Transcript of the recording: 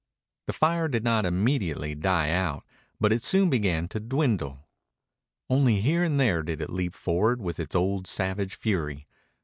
The fire did not immediately die out, but it soon began to dwindle. Only here and there did it leap forward with its old savage fury.